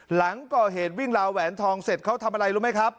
หลังก่อเหตุวิ่งราวแหวนทองเสร็จเขาทำอะไรรู้ไหมครับ